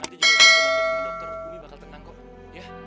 nanti jika kita bantu dokter umi bakal tenang kok